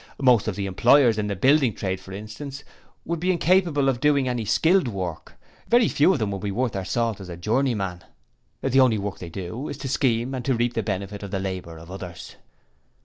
Most of the employers in the building trade for instance would be incapable of doing any skilled work. Very few of them would be worth their salt as journeymen. The only work they do is to scheme to reap the benefit of the labour of others.